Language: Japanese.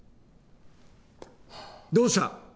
どうした？